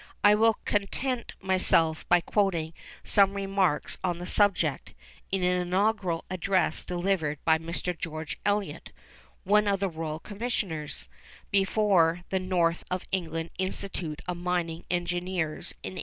I will content myself by quoting some remarks on the subject, in an inaugural address delivered by Mr. George Elliot (one of the Royal Commissioners) before the North of England Institute of Mining Engineers in 1868.